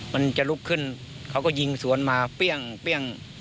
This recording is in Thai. มันจะลุกขึ้นเขาก็ยิงสวนมาเปรี้ยง